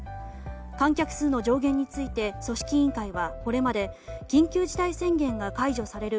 観客数の上限ついて組織委員会はこれまで緊急事態宣言が解除される